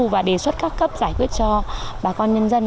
và đề xuất các cấp giải quyết cho bà con nhân dân